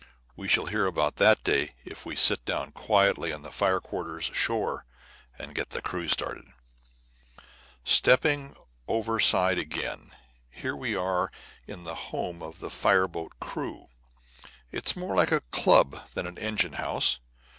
We shall hear all about that day if we sit us down quietly in the fire quarters ashore and get the crew started. Stepping over side again, here we are in the home of the fire boat crew. It's more like a club than an engine house.